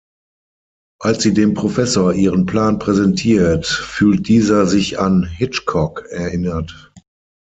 Als sie dem Professor ihren Plan präsentiert, fühlt dieser sich an Hitchcock erinnert.